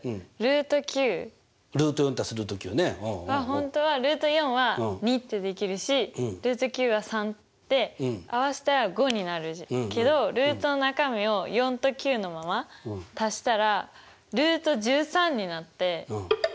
本当はは２ってできるしは３で合わせたら５になるけどルートの中身を４と９のまま足したらになってえっ５じゃないの？